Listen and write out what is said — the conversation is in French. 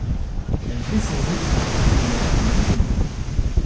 Elle fait ses études secondaires à Montpellier.